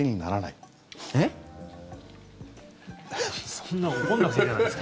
そんな怒んなくていいじゃないですか。